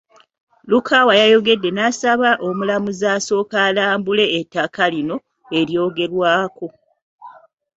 Lukawa yayongedde n'asaba omulamuzi asooke alambule ettaka lino eryogerwako.